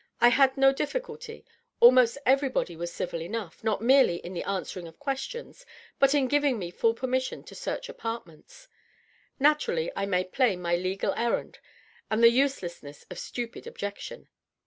I had no difl&culty. Almost everybody was civil enough, not merely in the answering of questions but in giving me full permission to search apartments. Naturally, I made plain my legal errand and the useless ness of stupid objection.